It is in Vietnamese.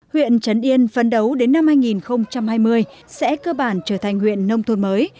huyện trấn yên phấn đấu đến năm hai nghìn hai mươi sẽ cơ bản trở thành huyện nông thôn mới